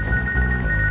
ini juga kan lagi usaha